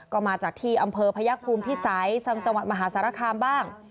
ก็มาจากที่อำเภอพยักษ์ภูมิพิสัยจังหวัดมหาสารคามบ้าง